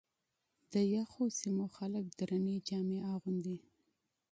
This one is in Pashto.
د یخو سیمو خلک درنې جامې اغوندي.